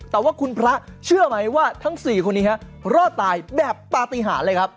แต่ว่าคุณพระเชื่อไหมว่าทั้ง๔คนนี้รอดตายแบบปฏิหารเลยครับ